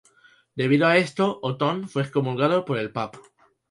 Debido a esto, Otón fue excomulgado por el Papa.